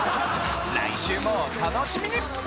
来週もお楽しみに！